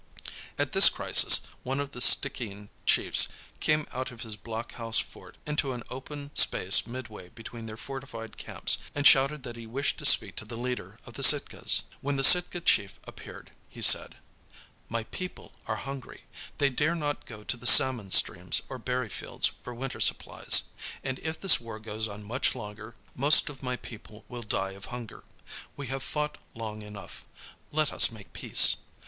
At this crisis one of the Stickeen chiefs came out of his block house fort into an open space midway between their fortified camps, and shouted that he wished to speak to the leader of the Sitkas. When the Sitka chief appeared he said:— "My people are hungry. They dare not go to the salmon streams or berry fields for winter supplies, and if this war goes on much longer most of my people will die of hunger. We have fought long enough; let us make peace.